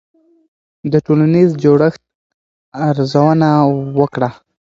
د ټولنیز جوړښت ارزونه وکړه.